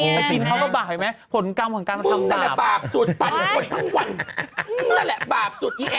ไปกินเค้าก็บาบ